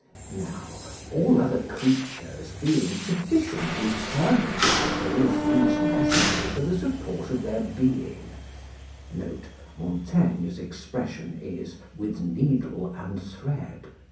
Now, all other creatures being sufficiently furnished with all things necessary for the support of their being [Montaigne's expression is, "with needle and thread."